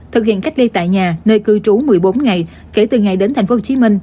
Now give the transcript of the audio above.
thực hiện cách ly tại nhà nơi cư trú một mươi bốn ngày kể từ ngày đến tp hcm